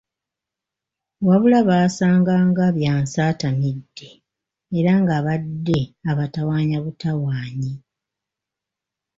Wabula baasanga nga Byansi atamidde, era ng'abadde abatawaanya butawaanyi.